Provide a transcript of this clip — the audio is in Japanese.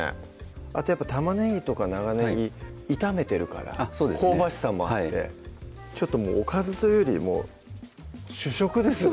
あとやっぱ玉ねぎとか長ねぎ炒めてるから香ばしさもあってちょっともうおかずというよりも主食ですね